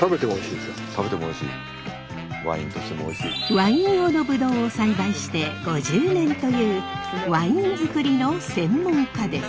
ワイン用のぶどうを栽培して５０年というワイン作りの専門家です。